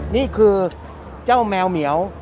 นี่คือเจ้าแมวเหมียว